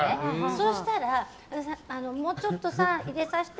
そしたら、もうちょっとさ入れさせて！